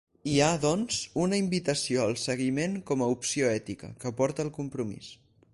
Hi ha, doncs, una invitació al seguiment com a opció ètica, que porta al compromís.